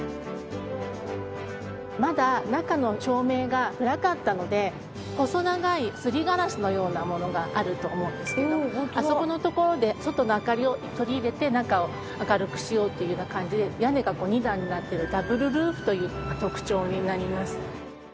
まだ中の照明が暗かったので細長いすりガラスのようなものがあると思うんですけどあそこのところで外の明かりを取り入れて中を明るくしようっていうような感じでこちらは中も見て頂けるようになっております。